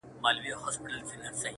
په اولس کي به دي ږغ «منظورومه »؛